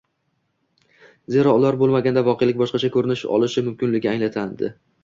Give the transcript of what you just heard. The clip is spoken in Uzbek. zero ular bo‘lmaganda voqelik boshqacha ko‘rinish olishi mumkinligi anglanadi.